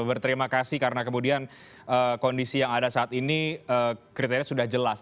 berterima kasih karena kemudian kondisi yang ada saat ini kriteria sudah jelas